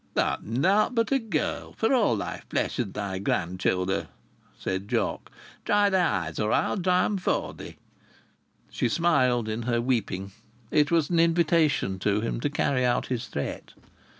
"Thou'rt nowt but a girl, for all thy flesh and thy grandchilder!" said Jock. "Dry thy eyes, or I'll dry 'em for thee!" She smiled in her weeping. It was an invitation to him to carry out his threat.